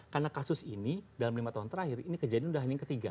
karena kasus ini dalam lima tahun terakhir ini kejadiannya sudah hening ketiga